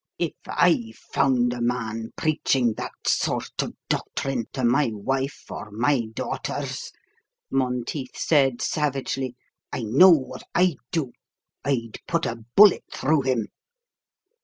"If I found a man preaching that sort of doctrine to my wife or my daughters," Monteith said savagely, "I know what I'd do I'd put a bullet through him."